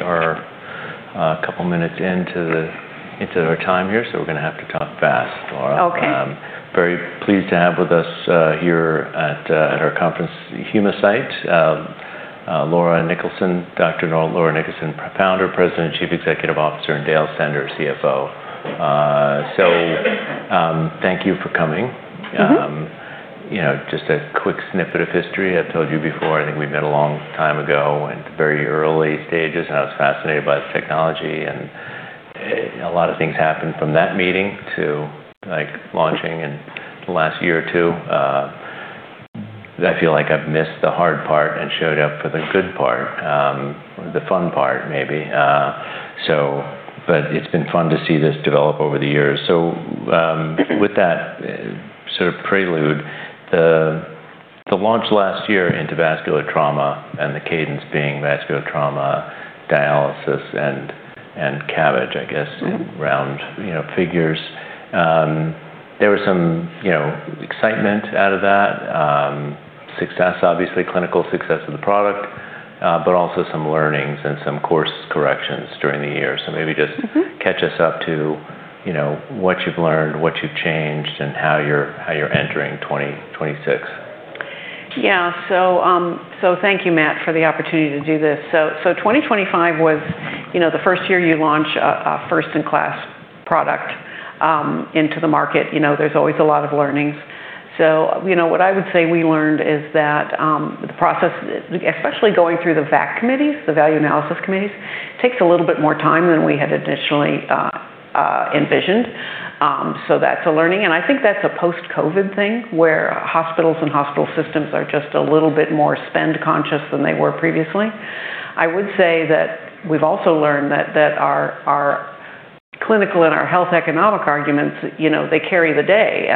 All right. Well, we are a couple minutes into our time here, so we're gonna have to talk fast, Laura. Okay. Very pleased to have with us here at our conference Humacyte, Laura Niklason, Dr. Laura Niklason, founder, president, chief executive officer, and Dale Sander, CFO. Thank you for coming. You know, just a quick snippet of history. I told you before, I think we met a long time ago at the very early stages, and I was fascinated by the technology and a lot of things happened from that meeting to, like, launching in the last year or two. I feel like I've missed the hard part and showed up for the good part, or the fun part maybe. But it's been fun to see this develop over the years. With that sort of prelude, the launch last year into vascular trauma and the cadence being vascular trauma, dialysis, and CABG, I guess Mm-hmm. In round, you know, figures. There was some, you know, excitement out of that. Success, obviously clinical success of the product, but also some learnings and some course corrections during the year. Maybe just Mm-hmm. Catch us up to, you know, what you've learned, what you've changed, and how you're entering 2026. Thank you, Matt, for the opportunity to do this. 2025 was, you know, the first year you launch a first-in-class product into the market. You know, there's always a lot of learnings. What I would say we learned is that the process, especially going through the VAC committees, the value analysis committees, takes a little bit more time than we had initially envisioned. That's a learning. I think that's a post-COVID thing where hospitals and hospital systems are just a little bit more spend conscious than they were previously. I would say that we've also learned that our clinical and our health economic arguments, you know, they carry the day.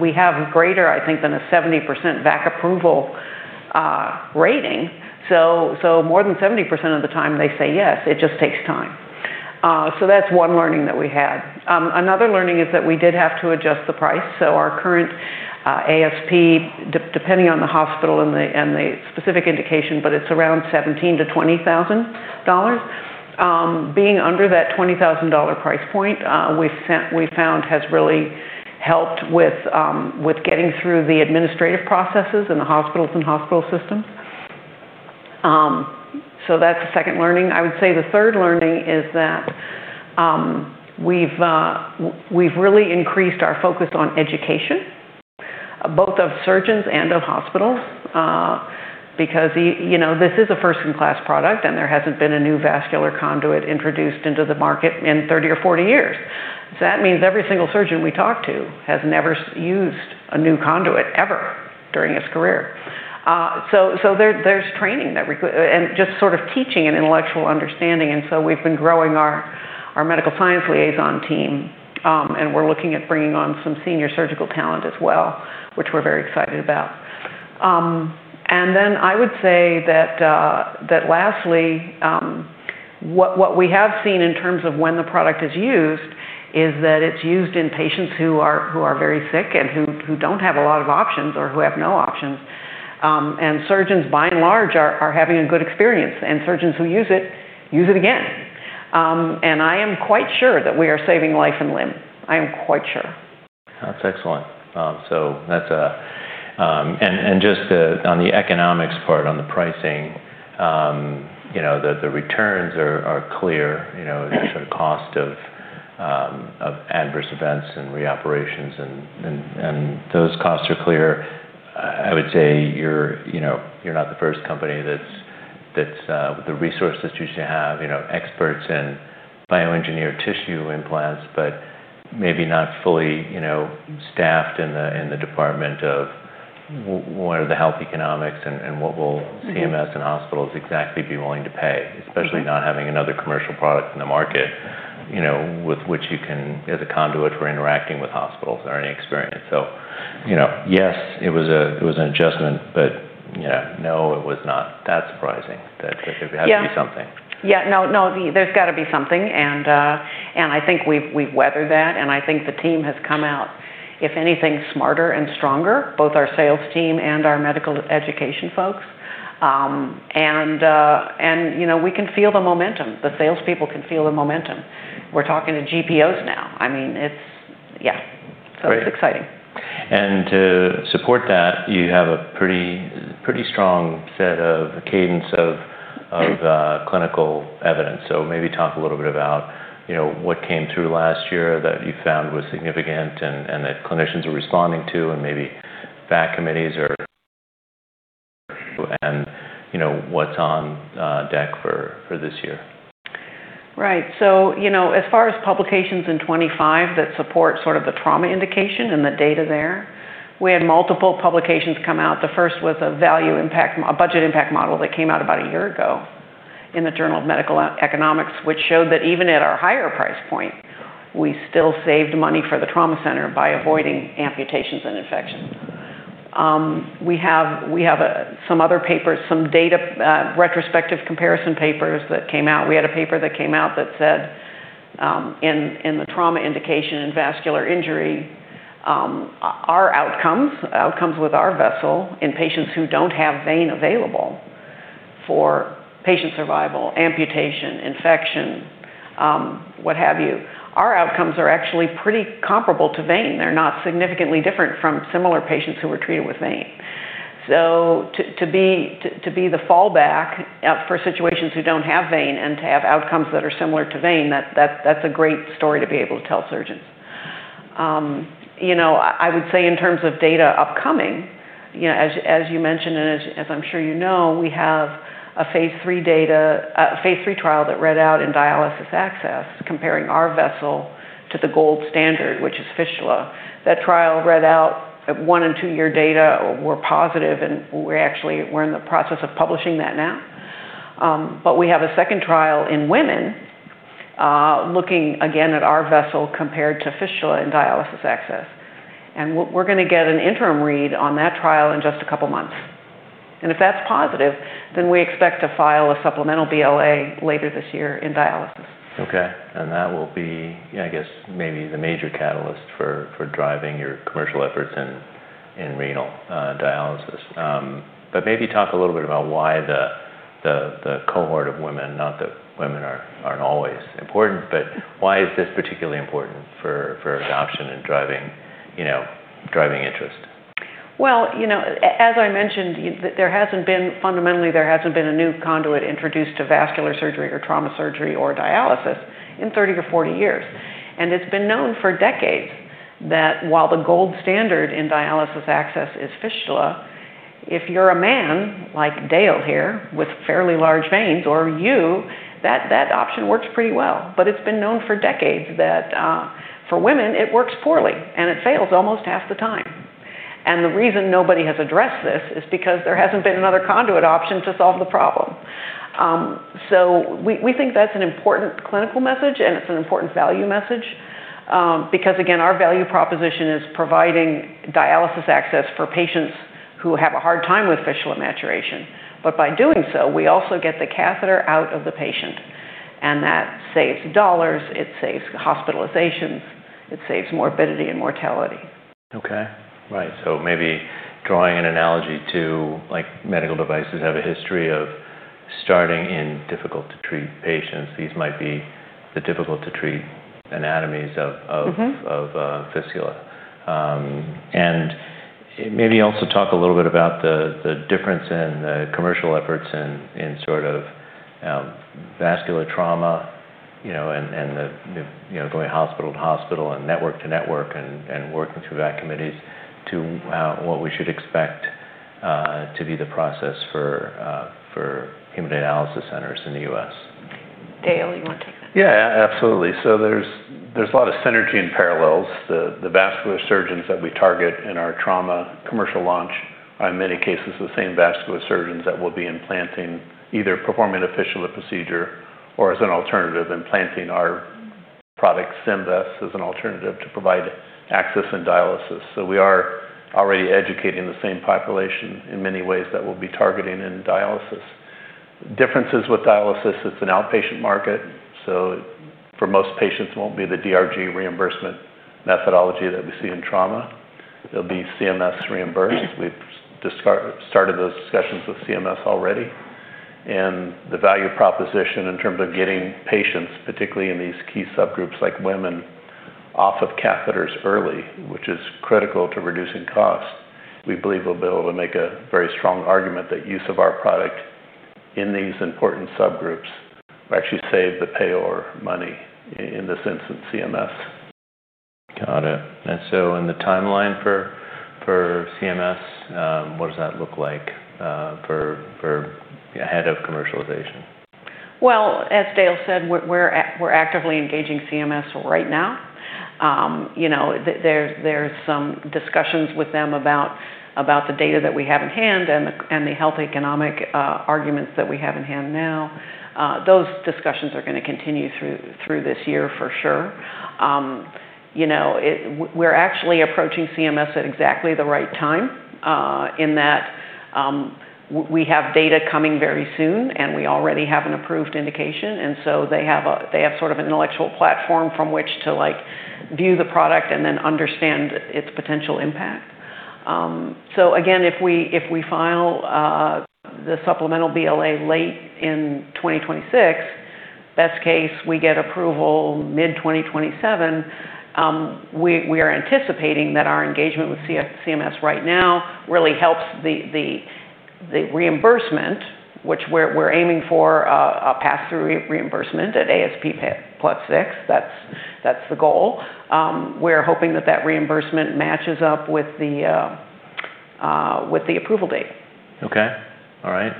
We have greater, I think, than a 70% VAC approval rating. More than 70% of the time they say yes, it just takes time. That's one learning that we had. Another learning is that we did have to adjust the price. Our current ASP depending on the hospital and the specific indication, but it's around $17,000-$20,000. Being under that $20,000 price point, we found has really helped with getting through the administrative processes in the hospitals and hospital systems. That's the second learning. I would say the third learning is that we've really increased our focus on education, both of surgeons and of hospitals. Because you know, this is a first-in-class product, and there hasn't been a new vascular conduit introduced into the market in 30 or 40 years. That means every single surgeon we talk to has never used a new conduit ever during his career. There's training and just sort of teaching and intellectual understanding. We've been growing our medical science liaison team, and we're looking at bringing on some senior surgical talent as well, which we're very excited about. I would say that lastly, what we have seen in terms of when the product is used is that it's used in patients who are very sick and who don't have a lot of options or who have no options. Surgeons by and large are having a good experience. Surgeons who use it, use it again. I am quite sure that we are saving life and limb. I am quite sure. That's excellent. Just on the economics part, on the pricing, you know, the returns are clear. You know, the sort of cost of adverse events and reoperations and those costs are clear. I would say you're, you know, you're not the first company that's with the resources you should have, you know, experts in bioengineered tissue implants, but maybe not fully, you know, staffed in the department of what are the health economics and what will CMS and hospitals exactly be willing to pay. Especially not having another commercial product in the market, you know, with which you can, as a conduit for interacting with hospitals or any experience. You know, yes, it was an adjustment, but, you know, no, it was not that surprising. Yeah. There had to be something. Yeah. No, no, there's gotta be something and I think we've weathered that, and I think the team has come out, if anything, smarter and stronger, both our sales team and our medical education folks. And, and, you know, we can feel the momentum. The salespeople can feel the momentum. We're talking to GPOs now. Great. It's exciting. To support that, you have a pretty strong set of cadence of clinical evidence. Maybe talk a little bit about, you know, what came through last year that you found was significant and that clinicians are responding to, and maybe VAC committees are, you know, what's on deck for this year. You know, as far as publications in 2025 that support sort of the trauma indication and the data there, we had multiple publications come out. The first was a budget impact model that came out about a year ago in the Journal of Medical Economics, which showed that even at our higher price point, we still saved money for the trauma center by avoiding amputations and infections. We have some other papers, some data, retrospective comparison papers that came out. We had a paper that came out that said, in the trauma indication, in vascular injury, our outcomes with our vessel in patients who don't have vein available for patient survival, amputation, infection, what have you, our outcomes are actually pretty comparable to vein. They're not significantly different from similar patients who were treated with vein. To be the fallback option for situations who don't have vein and to have outcomes that are similar to vein, that's a great story to be able to tell surgeons. You know, I would say in terms of data upcoming, you know, as you mentioned, and as I'm sure you know, we have a phase III trial that read out in dialysis access comparing our vessel to the gold standard, which is fistula. That trial read out one and two year data were positive, and we're actually in the process of publishing that now. But we have a second trial in women looking again at our vessel compared to fistula and dialysis access. We're gonna get an interim read on that trial in just a couple of months. If that's positive, then we expect to file a supplemental BLA later this year in dialysis. Okay. That will be, I guess, maybe the major catalyst for driving your commercial efforts in renal dialysis. Maybe talk a little bit about why the cohort of women, not that women aren't always important, but why is this particularly important for adoption and driving, you know, driving interest? Well, you know, as I mentioned, fundamentally, there hasn't been a new conduit introduced to vascular surgery or trauma surgery or dialysis in 30 to 40 years. It's been known for decades that while the gold standard in dialysis access is fistula, if you're a man like Dale here with fairly large veins or you, that option works pretty well. It's been known for decades that for women, it works poorly, and it fails almost half the time. The reason nobody has addressed this is because there hasn't been another conduit option to solve the problem. We think that's an important clinical message, and it's an important value message, because again, our value proposition is providing dialysis access for patients who have a hard time with fistula maturation. By doing so, we also get the catheter out of the patient, and that saves dollars, it saves hospitalizations, it saves morbidity and mortality. Okay. Right. Maybe drawing an analogy to, like, medical devices have a history of starting in difficult to treat patients. These might be the difficult to treat anatomies of. Mm-hmm of fistula. Maybe also talk a little bit about the difference in the commercial efforts in sort of vascular trauma, you know, and the going hospital to hospital and network to network and working through the committees to what we should expect to be the process for hemodialysis centers in the U.S. Dale, you want to take that? Yeah, absolutely. There's a lot of synergy and parallels. The vascular surgeons that we target in our trauma commercial launch are in many cases the same vascular surgeons that will be implanting, either performing a fistula procedure or as an alternative, implanting our product, Symvess, as an alternative to provide access in dialysis. We are already educating the same population in many ways that we'll be targeting in dialysis. Differences with dialysis, it's an outpatient market, so for most patients, it won't be the DRG reimbursement methodology that we see in trauma. It'll be CMS reimbursed. We've started those discussions with CMS already. The value proposition in terms of getting patients, particularly in these key subgroups like women, off of catheters early, which is critical to reducing cost, we believe we'll be able to make a very strong argument that use of our product in these important subgroups will actually save the payer money in the sense of CMS. Got it. In the timeline for CMS, what does that look like ahead of commercialization? As Dale said, we're actively engaging CMS right now. You know, there's some discussions with them about the data that we have in hand and the health economic arguments that we have in hand now. Those discussions are gonna continue through this year for sure. You know, we're actually approaching CMS at exactly the right time, in that, we have data coming very soon, and we already have an approved indication. They have sort of intellectual platform from which to, like, view the product and then understand its potential impact. So again, if we file the supplemental BLA late in 2026, best case, we get approval mid-2027. We are anticipating that our engagement with CMS right now really helps the reimbursement, which we're aiming for a pass-through reimbursement at ASP plus six. That's the goal. We're hoping that reimbursement matches up with the approval date. Okay. All right.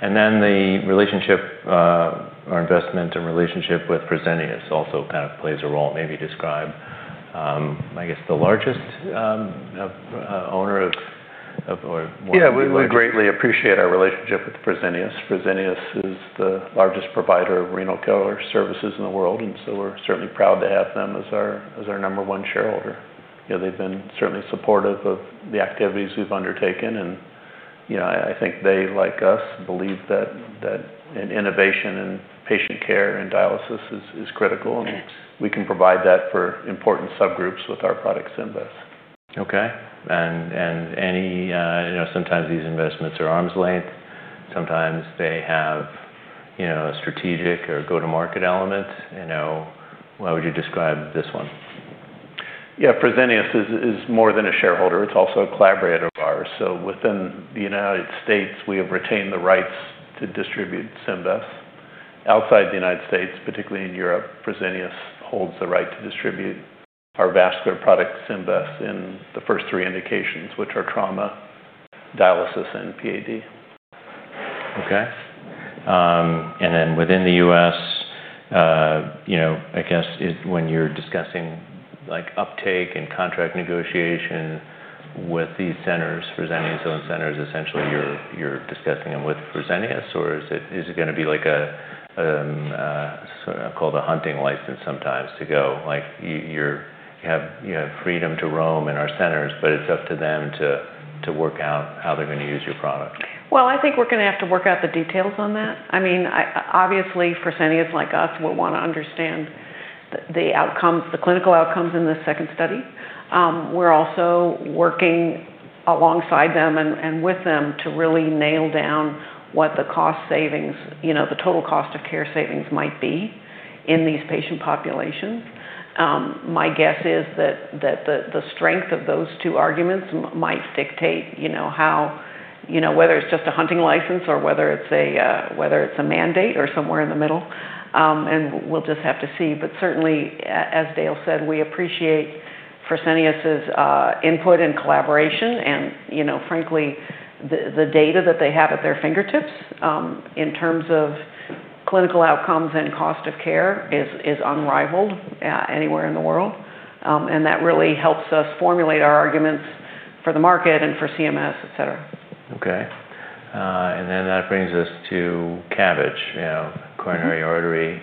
The relationship or investment and relationship with Fresenius also kind of plays a role. Maybe describe, I guess, the largest owner of or one of the largest- Yeah. We greatly appreciate our relationship with Fresenius. Fresenius is the largest provider of renal care services in the world, and so we're certainly proud to have them as our number one shareholder. You know, they've been certainly supportive of the activities we've undertaken. You know, I think they, like us, believe that innovation in patient care and dialysis is critical. Yes. We can provide that for important subgroups with our product, Symvess. Okay. Any, you know, sometimes these investments are arm's length. Sometimes they have, you know, a strategic or go-to-market element. You know, what would you describe this one? Yeah. Fresenius is more than a shareholder. It's also a collaborator of ours. Within the United States, we have retained the rights to distribute Symvess. Outside the United States, particularly in Europe, Fresenius holds the right to distribute our vascular product, Symvess, in the first three indications, which are trauma, dialysis, and PAD. Okay. Within the US, you know, I guess it. When you're discussing, like, uptake and contract negotiation with these centers, Fresenius own centers, essentially you're discussing them with Fresenius or is it gonna be like a sort of called a hunting license sometimes to go? Like, you have freedom to roam in our centers, but it's up to them to work out how they're gonna use your product. Well, I think we're gonna have to work out the details on that. I mean, obviously Fresenius, like us, will wanna understand the outcomes, the clinical outcomes in this second study. We're also working alongside them and with them to really nail down what the cost savings, you know, the total cost of care savings might be in these patient populations. My guess is that the strength of those two arguments might dictate, you know, how, you know, whether it's just a hunting license or whether it's a mandate or somewhere in the middle. We'll just have to see. Certainly, as Dale said, we appreciate Fresenius's input and collaboration. You know, frankly, the data that they have at their fingertips in terms of clinical outcomes and cost of care is unrivaled anywhere in the world. That really helps us formulate our arguments for the market and for CMS, et cetera. Okay. That brings us to CABG, you know, coronary artery,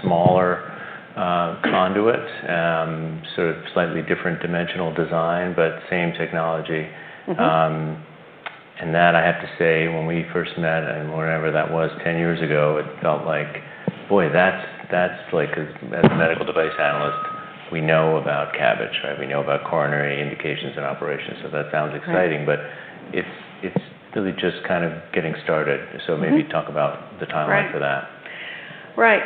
smaller, conduit. Sort of slightly different dimensional design, but same technology. Mm-hmm. That I have to say, when we first met and wherever that was, 10 years ago, it felt like, boy, that's. As a medical device analyst, we know about CABG, right? We know about coronary indications and operations, so that sounds. Right. Exciting, but it's really just kind of getting started. Maybe talk about the timeline for that. Right.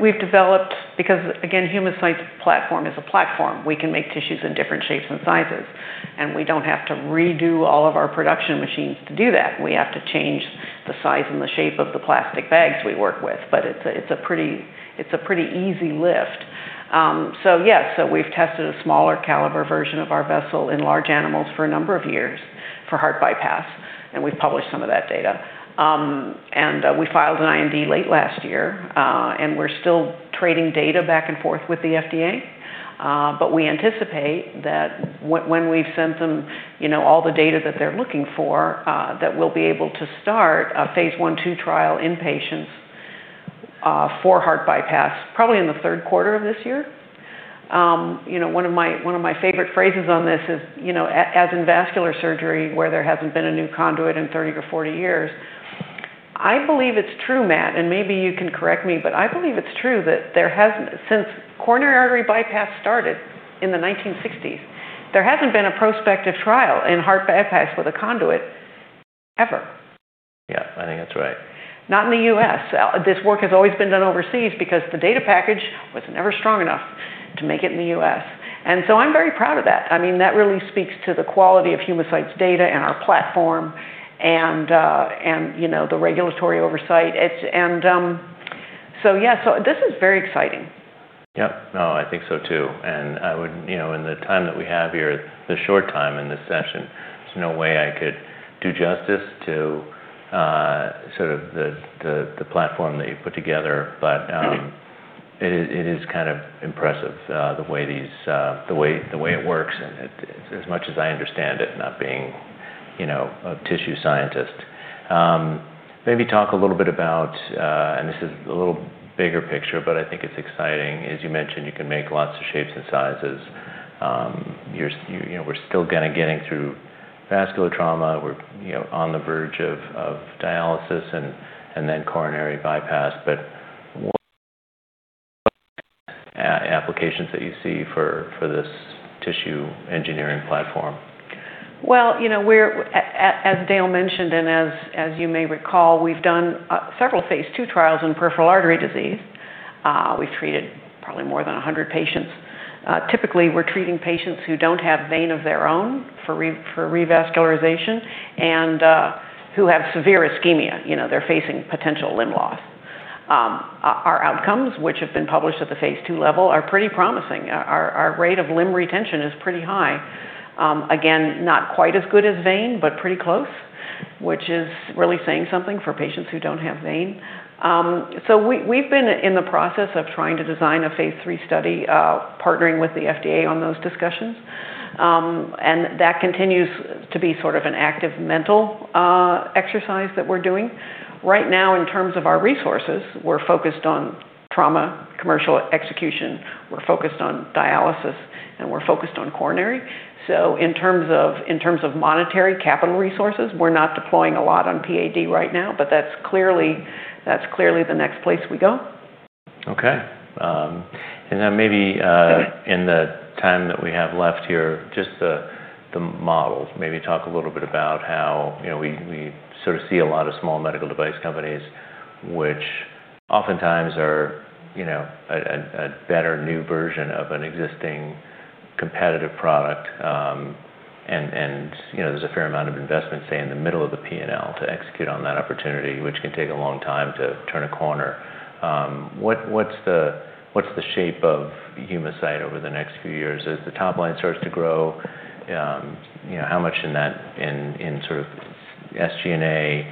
We've developed because, again, Humacyte's platform is a platform. We can make tissues in different shapes and sizes, and we don't have to redo all of our production machines to do that. We have to change the size and the shape of the plastic bags we work with, but it's a pretty easy lift. Yes, we've tested a smaller caliber version of our vessel in large animals for a number of years for heart bypass, and we've published some of that data. We filed an IND late last year, and we're still trading data back and forth with the FDA. We anticipate that when we've sent them, you know, all the data that they're looking for, that we'll be able to start a phase I/II trial in patients for heart bypass probably in the Q3 of this year. You know, one of my favorite phrases on this is, you know, as in vascular surgery, where there hasn't been a new conduit in 30 to 40 years. I believe it's true, Matt, and maybe you can correct me, but I believe it's true that there hasn't. Since coronary artery bypass started in the 1960s, there hasn't been a prospective trial in heart bypass with a conduit ever. Yeah. I think that's right. Not in the U.S. This work has always been done overseas because the data package was never strong enough to make it in the U.S. I'm very proud of that. I mean, that really speaks to the quality of Humacyte's data and our platform and, you know, the regulatory oversight. Yeah. This is very exciting. Yep. No, I think so too. I would, you know, in the time that we have here, the short time in this session, there's no way I could do justice to sort of the platform that you've put together. It is kind of impressive, the way it works and as much as I understand it, not being, you know, a tissue scientist. Maybe talk a little bit about this is a little bigger picture, but I think it's exciting. As you mentioned, you can make lots of shapes and sizes. You know, we're still gonna get through vascular trauma. We're on the verge of dialysis and then coronary bypass. What applications that you see for this tissue engineering platform? Well, you know, as Dale mentioned and as you may recall, we've done several phase II trials in peripheral artery disease. We've treated probably more than 100 patients. Typically, we're treating patients who don't have vein of their own for revascularization and who have severe ischemia. You know, they're facing potential limb loss. Our rate of limb retention is pretty high. Again, not quite as good as vein, but pretty close, which is really saying something for patients who don't have vein. So we've been in the process of trying to design a phase III study, partnering with the FDA on those discussions. That continues to be sort of an active mental exercise that we're doing. Right now, in terms of our resources, we're focused on trauma, commercial execution, we're focused on dialysis. We're focused on coronary. In terms of monetary capital resources, we're not deploying a lot on PAD right now, but that's clearly the next place we go. Okay. Then maybe, in the time that we have left here, just the models. Maybe talk a little bit about how, you know, we sort of see a lot of small medical device companies which oftentimes are, you know, a better new version of an existing competitive product. You know, there's a fair amount of investment, say in the middle of the P&L to execute on that opportunity, which can take a long time to turn a corner. What's the shape of Humacyte over the next few years? As the top line starts to grow, you know, how much in that, in sort of SG&A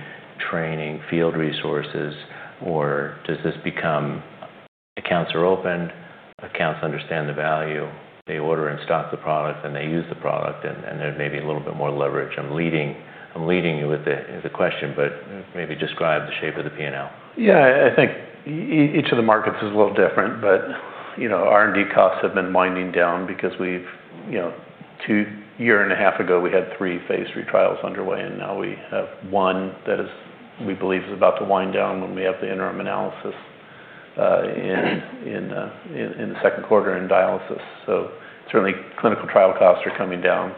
training, field resources, or does this become accounts are opened, accounts understand the value, they order and stock the product, and they use the product, and there may be a little bit more leverage? I'm leading you with the question, but maybe describe the shape of the P&L. I think each of the markets is a little different, but, you know, R&D costs have been winding down because we've, you know. A year and a half ago, we had three phase III trials underway, and now we have one that, we believe, is about to wind down when we have the interim analysis. Mm-hmm In the Q2 in dialysis. Certainly clinical trial costs are coming down.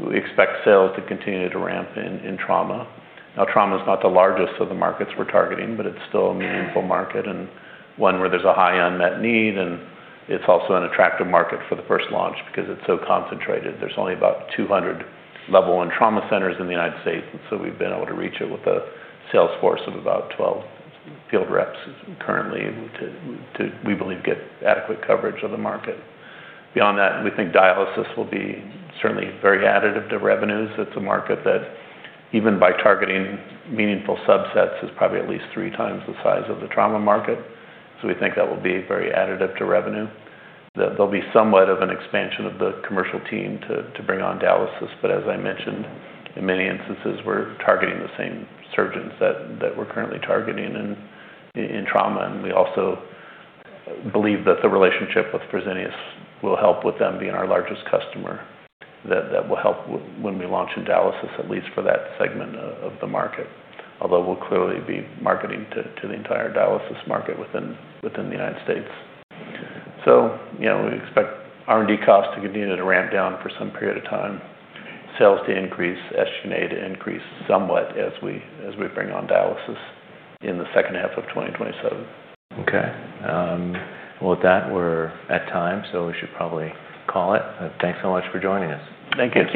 We expect sales to continue to ramp in trauma. Now, trauma's not the largest of the markets we're targeting, but it's still a meaningful market and one where there's a high unmet need, and it's also an attractive market for the first launch because it's so concentrated. There's only about 200 Level I Trauma Centers in the United States, and so we've been able to reach it with a sales force of about 12 field reps currently to we believe get adequate coverage of the market. Beyond that, we think dialysis will be certainly very additive to revenues. It's a market that even by targeting meaningful subsets is probably at least three times the size of the trauma market. We think that will be very additive to revenue. There'll be somewhat of an expansion of the commercial team to bring on dialysis, but as I mentioned, in many instances, we're targeting the same surgeons that we're currently targeting in trauma. We also believe that the relationship with Fresenius will help with them being our largest customer. That will help when we launch in dialysis, at least for that segment of the market. Although we'll clearly be marketing to the entire dialysis market within the United States. You know, we expect R&D costs to continue to ramp down for some period of time, sales to increase, SG&A to increase somewhat as we bring on dialysis in the second half of 2027. Okay. Well with that, we're at time, so we should probably call it. Thanks so much for joining us. Thank you.